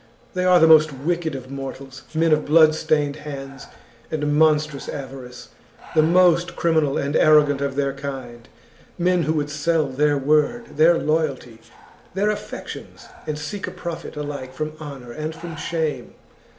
They are the mcst wicked of mortals, men of bloodstained hands and monstrous avarice, the most criminal and arrogant of their kind, men who would sell their word, their loyalty, their affections, and seek a profit alike from honour and from shame.